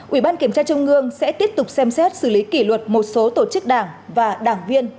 ủy ban kiểm tra trung ương sẽ tiếp tục xem xét xử lý kỷ luật một số tổ chức đảng và đảng viên